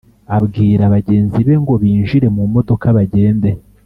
abwira bagenzi be ngo binjire mumodoka bagende